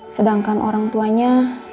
sedangkan orang tuanya